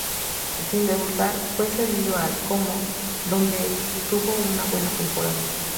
Sin debutar, fue cedido al Como, donde tuvo una buena temporada.